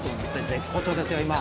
絶好調ですよ、今。